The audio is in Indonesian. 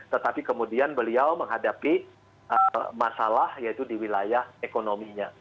tetapi kemudian beliau menghadapi masalah yaitu di wilayah ekonominya